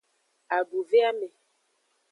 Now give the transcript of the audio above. Aduveame.